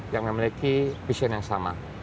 yang memiliki vision yang sama